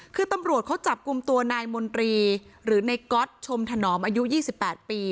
คือตำรวจเขาจับกลุ่มตัวนายมนตรีหรือในก๊อตชมถนอมอายุ๒๘ปี